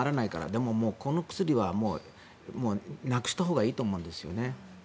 でも、この薬はなくしたほうがいいと思うんですよね。